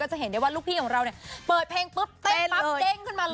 จะเห็นได้ว่าลูกพี่ของเราเนี่ยเปิดเพลงปุ๊บเต้นปั๊บเด้งขึ้นมาเลย